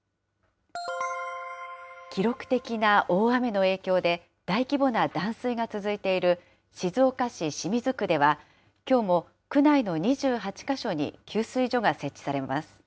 記録的な大雨の影響で、大規模な断水が続いている静岡市清水区では、きょうも区内の２８か所に給水所が設置されます。